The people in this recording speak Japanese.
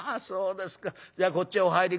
じゃあこっちお入り下さいましな。